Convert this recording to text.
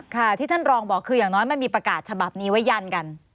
ค่ะที่ท่านรองบอกคืออย่างน้อยมันมีประกาศฉบับนี้ไว้ยันกัน